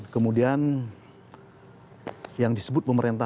kemudian yang disebut memperkenalkan